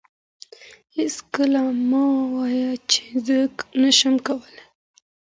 هیڅکله مه وایئ چي زه نشم کولای.